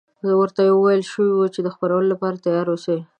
ورته ویل شوي وو د خپرولو لپاره تیار اوسي.